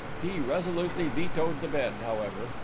He resolutely vetoed the bed, however.